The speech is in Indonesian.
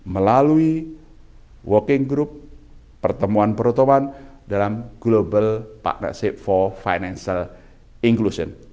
melalui working group pertemuan pertemuan dalam global partnership for financial inclusion